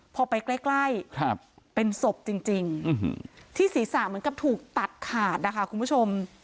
พอไปใกล้เป็นศพจริงที่ศีรษะเหมือนกับถูกตัดขาดนะคะคุณผู้ชม